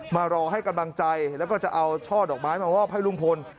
มารอให้กำลังใจแล้วก็จะเอาช่อดอกไม้มามอบให้ลุงพล